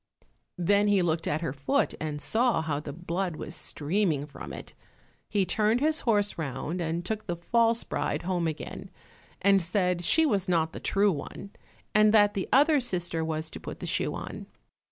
Then he looked at her foot and saw how the blood was streaming from it. He turned his horse round and took the false bride home again, and said she was not the true one, and that the other sister was to put the shoe on.